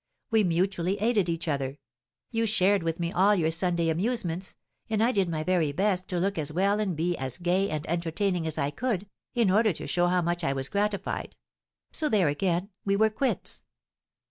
We mutually aided each other; you shared with me all your Sunday amusements, and I did my very best to look as well and be as gay and entertaining as I could, in order to show how much I was gratified; so there again we were quits."